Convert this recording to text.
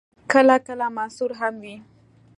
کله کله منثور هم وي.